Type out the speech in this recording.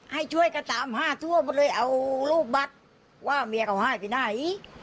ให้ช่วยกันตามหาทั่วก็เลยเอารูปบัตรว่าเมียเขาหายไปไหน